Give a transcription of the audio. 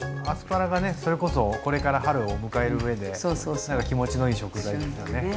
アスパラがねそれこそこれから春を迎える上で何か気持ちのいい食材ですよね。